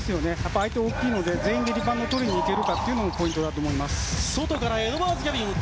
相手は大きいので全員でリバウンドをとりにいけるかというのもポイントだと思いますね。